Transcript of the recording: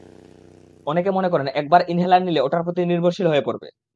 অনেকে মনে করেন, একবার ইনহেলার নিলে ওটার প্রতি নির্ভরশীল হয়ে পড়বে।